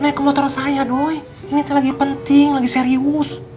naik ke motor saya dong ini lagi penting lagi serius